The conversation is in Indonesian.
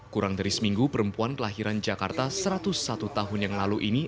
kurang dari seminggu perempuan kelahiran jakarta satu ratus satu tahun yang lalu ini